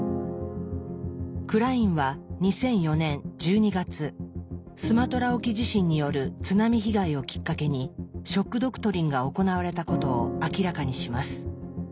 クラインは２００４年１２月スマトラ沖地震による津波被害をきっかけに「ショック・ドクトリン」が行われたことを明らかにします。